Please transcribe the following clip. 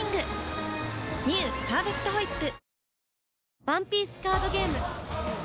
「パーフェクトホイップ」